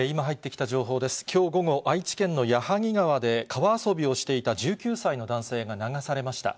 きょう午後、愛知県の矢作川で川遊びをしていた１９歳の男性が流されました。